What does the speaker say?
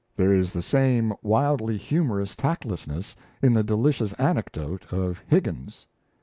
There is the same wildly humorous tactlessness in the delicious anecdote of Higgins.